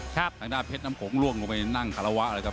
ทางด้านเพชรน้ำโขงล่วงลงไปนั่งคารวะเลยครับ